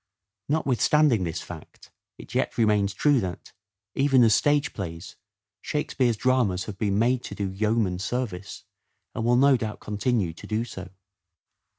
Notwithstanding this fact, it yet remains true that, even as stage plays, Shakespeare's dramas have been made to do yeoman service, and will no doubt continue to do so.